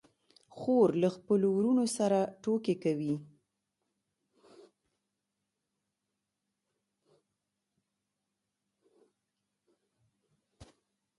خور له خپلو وروڼو سره ټوکې کوي.